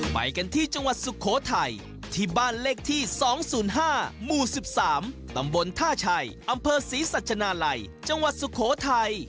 ไปกันที่จังหวัดสุโขทัยที่บ้านเลขที่๒๐๕หมู่๑๓ตำบลท่าชัยอำเภอศรีสัชนาลัยจังหวัดสุโขทัย